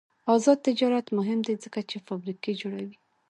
آزاد تجارت مهم دی ځکه چې فابریکې جوړوي.